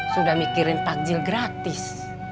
sudah mikirin takjil gratis